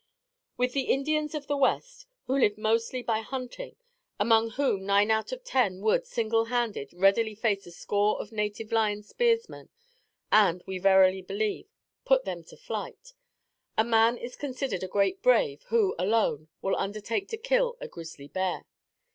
With the Indians of the West, who live mostly by hunting, among whom, nine out of ten would, single handed, readily face a score of native lion spearsmen and, we verily believe, put them to flight; a man is considered a great brave who, alone, will undertake to kill a grizzly bear.